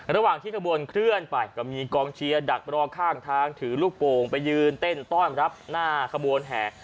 ระหว่างที่ขบวนเคลื่อนไปก็มีกองเชียร์ดักรอข้างทางถือลูกโป่งไปยืนเต้นต้อนรับหน้าขบวนแห่